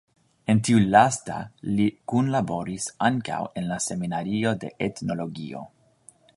En tiu lasta li kunlaboris ankaŭ en la Seminario de Etnologio.